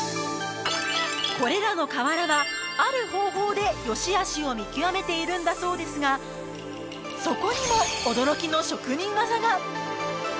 これらの瓦はある方法でよしあしを見極めているんだそうですがそこにも驚きの職人技が！